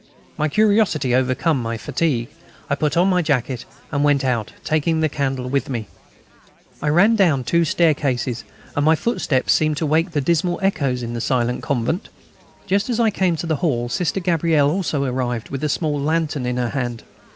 My curiosity overcame my fatigue. I put on my jacket and went out, taking the candle with me. I ran down the two staircases, and my footsteps seemed to wake dismal echoes in the silent convent. Just as I came to the hall Sister Gabrielle also arrived, with a small lantern in her hand.